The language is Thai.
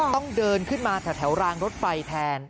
ต้องเดินขึ้นมาแถวรางรถไฟแทน